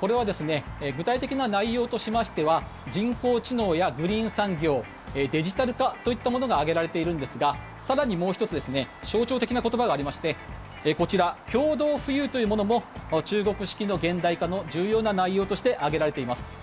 これは具体的な内容としましては人工知能やグリーン産業デジタル化といったものが挙げられているんですが更にもう１つ象徴的な言葉がありましてこちら、共同富裕というものも中国式の現代化の重要な内容として挙げられています。